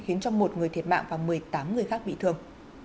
khiến cho một người thiệt mạng và một mươi tám người khác bị thương